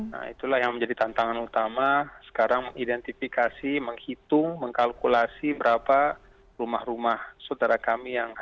nah itulah yang menjadi tantangan utama sekarang mengidentifikasi menghitung mengkalkulasi berapa rumah rumah saudara kami yang hadir